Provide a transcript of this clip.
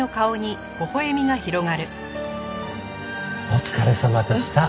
お疲れさまでした。